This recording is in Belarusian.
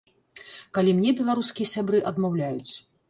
Калі мне беларускія сябры адмаўляюць.